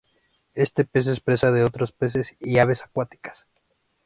Este pez es presa de otros peces y aves acuáticas.